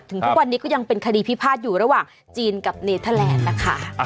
ทุกวันนี้ก็ยังเป็นคดีพิพาทอยู่ระหว่างจีนกับเนเทอร์แลนด์นะคะ